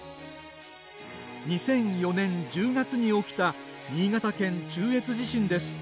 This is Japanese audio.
２００４年１０月に起きた新潟県中越地震です。